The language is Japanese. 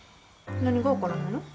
何が分からないの？